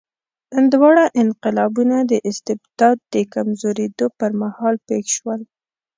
دواړه انقلابونه د استبداد د کمزورېدو پر مهال پېښ شول.